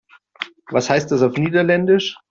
Was heißt das auf Niederländisch?